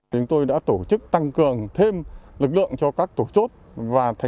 chúng tôi đã tổ chức tăng cường thêm lực lượng cho các tổ chuốt